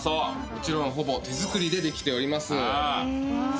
もちろんほぼ手作りでできております。